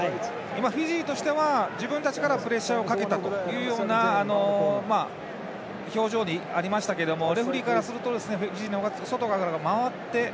フィジーとしては自分たちからプレッシャーをかけたというような表情がありましたけどレフリーからするとフィジーの方が外から回って。